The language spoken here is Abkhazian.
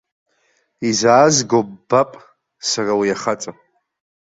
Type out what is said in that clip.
Изаазго ббап сара уи ахаҵа!